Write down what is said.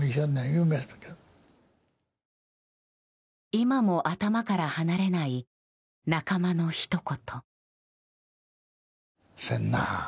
今も頭から離れない仲間のひと言。